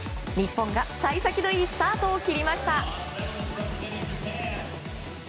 日本が幸先のいいスタートを切りました。